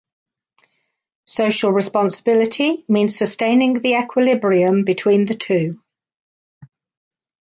Social responsibility means sustaining the equilibrium between the two.